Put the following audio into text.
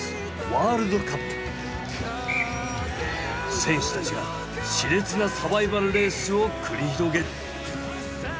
選手たちがしれつなサバイバルレースを繰り広げる。